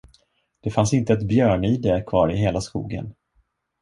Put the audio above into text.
Det fanns inte ett björnide kvar i hela skogen.